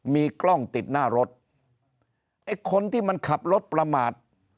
มีกล้องติดหน้ารถไอ้คนที่มันขับรถประมาท